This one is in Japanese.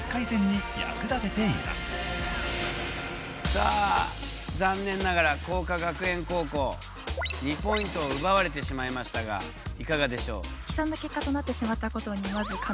さあ残念ながら晃華学園高校２ポイント奪われてしまいましたがいかがでしょう？